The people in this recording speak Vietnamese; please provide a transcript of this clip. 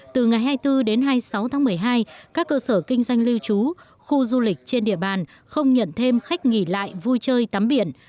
từ ngày hai mươi bốn đến hai mươi sáu tháng một mươi hai các cơ sở kinh doanh lưu trú khu du lịch trên địa bàn không nhận thêm khách nghỉ lại vui chơi tắm biển